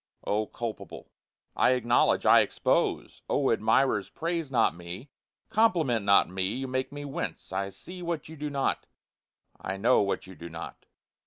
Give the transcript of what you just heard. O culpable! I acknowledge I expose! (O admirers, praise not me compliment not me you make me wince, I see what you do not I know what you do not.)